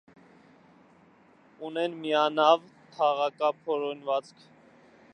Ունեն միանավ, թաղակապ հորինվածք։